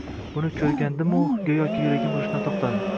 Buni ko`rgandim-u, go`yoki yuragim urishdan to`xtadi